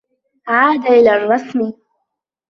عاد إلى الرّسم.